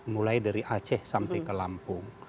mulai dari aceh sampai ke lampung